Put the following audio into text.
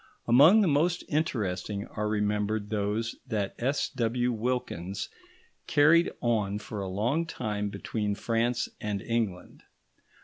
Among the most interesting are remembered those that S.W. Wilkins carried on for a long time between France and England.